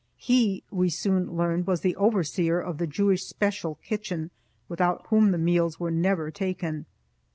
"He" we soon learned, was the overseer of the Jewish special kitchen, without whom the meals were never taken.